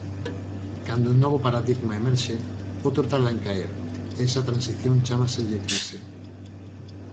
Cando un novo paradigma emerxe, outro tarda en caer, e esa transición chámaselle crise.